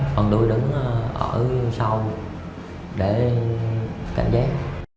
còn tôi đứng ở sau để cảm giác